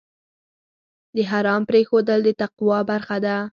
د حرام پرېښودل د تقوی برخه ده.